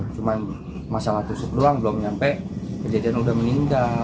cuma masalah tusuk doang belum nyampe kejadian sudah meninggal